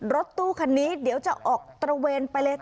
รถตู้คันนี้เดี๋ยวจะออกตระเวนไปเลยค่ะ